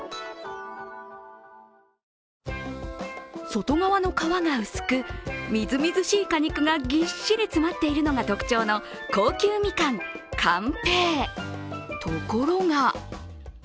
外側の皮が薄くみずみずしい果肉がぎっしり詰まっているのが特徴の高級みかん、甘平。